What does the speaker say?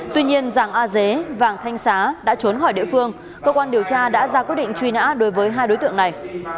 tuy nhiên giàng a dế vàng thanh xá đã trốn khỏi địa phương cơ quan điều tra đã ra quyết định truy nã đối với hai đối tượng này